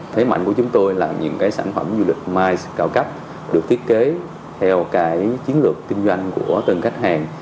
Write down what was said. thế mạnh của chúng tôi là những cái sản phẩm du lịch mice cao cấp được thiết kế theo cái chiến lược kinh doanh của từng khách hàng